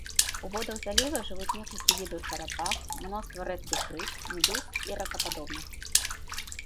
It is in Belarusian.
У водах заліва жывуць некалькі відаў чарапах, мноства рэдкіх рыб, медуз і ракападобных.